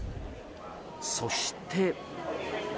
そして。